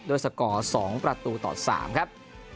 โดยสก่อ๒ประตูต่อ๓ครับ